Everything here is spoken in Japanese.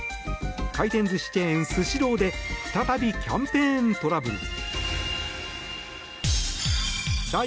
回転寿司チェーン、スシローで再びキャンペーントラブル。